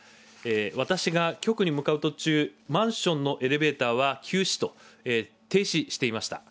私が局に向かう途中、マンションのエレベーターは休止と、停止していました。